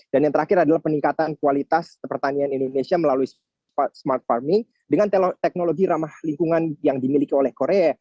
dan yang terakhir adalah peningkatan kualitas pertanian indonesia melalui smart farming dengan teknologi ramah lingkungan yang dimiliki oleh korea